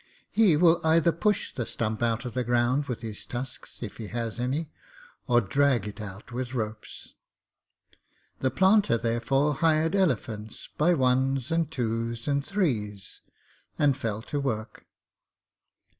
He will either push the stump out of the ground with his tusks, if he has any, or drag it out with ropes. The planter, therefore, hired elephants by ones and twos and threes, and fell to work.